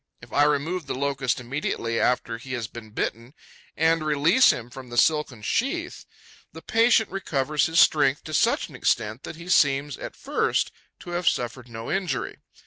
If I remove the Locust immediately after he has been bitten and release him from the silken sheath, the patient recovers his strength to such an extent that he seems, at first, to have suffered no injury.